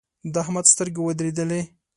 د احمد سترګې ودرېدلې.